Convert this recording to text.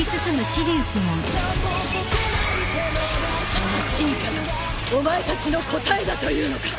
その進化がお前たちの答えだというのか。